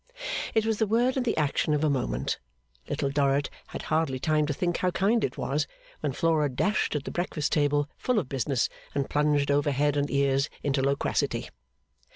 It was the word and the action of a moment. Little Dorrit had hardly time to think how kind it was, when Flora dashed at the breakfast table full of business, and plunged over head and ears into loquacity.